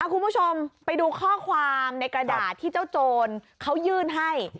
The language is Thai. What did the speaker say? คุณผู้ชมไปดูข้อความในกระดาษที่เจ้าโจรเขายื่นให้